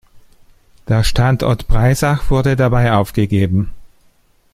Der Standort Breisach wurde dabei aufgegeben.